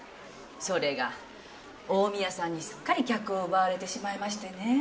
それが近江屋さんにすっかり客を奪われてしまいましてね。